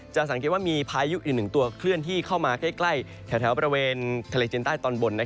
สังเกตว่ามีพายุอีกหนึ่งตัวเคลื่อนที่เข้ามาใกล้แถวบริเวณทะเลจีนใต้ตอนบน